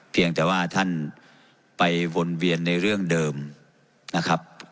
เพียงแต่ว่าท่านไปวนเวียนในเรื่องเดิมนะครับ